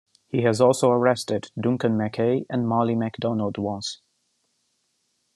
He has also arrested Duncan McKay and Molly MacDonald once.